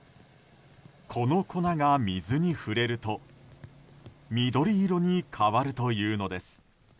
この粉が水に触れると緑色に変わるというのです。